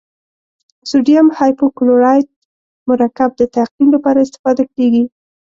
سوډیم هایپوکلورایت مرکب د تعقیم لپاره استفاده کیږي.